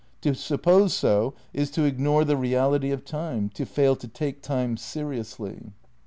To suppose so is to ignore the reality of Time, to fail to take Time seriously."